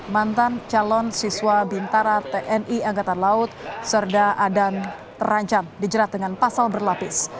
mantan calon siswa bintara tni angkatan laut serda adam terancam dijerat dengan pasal berlapis